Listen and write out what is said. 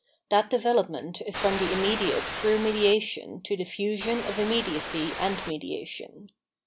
That development is from the immediate through mediation to the fusion of iriimedlacj and mediation.